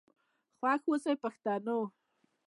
خوښ آوسئ پښتنو.